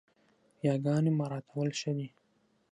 ياګاني مراعتول ښه دي